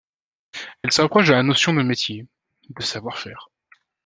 Elle se rapproche de la notion de métier, de savoir-faire.